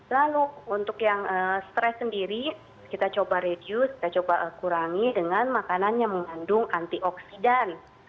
lalu untuk yang stres sendiri kita coba reduce kita coba kurangi dengan makanan yang mengandung antioksidan